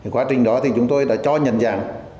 quá trình đó thì chúng tôi đã cho nhận dạng